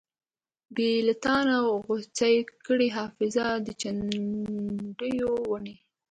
بې لتانۀ غوڅې کړې حافظه د چندڼو ونې